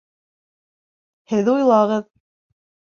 Һеҙ уйлағыҙ.